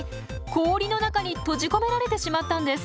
氷の中に閉じ込められてしまったんです。